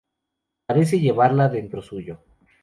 Parece llevarla dentro suyo.